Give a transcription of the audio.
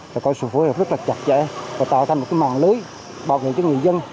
là có sự phối hợp rất là chặt chẽ và tạo thành một cái màn lưới bảo vệ cho người dân